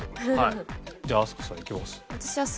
じゃあ飛鳥さんいきます？